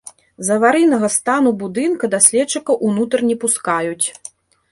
З-за аварыйнага стану будынка даследчыкаў ўнутр не пускаюць.